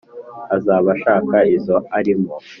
azaba ashaka izo arimo;